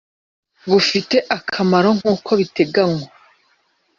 Bufite akamaro nk uko biteganywa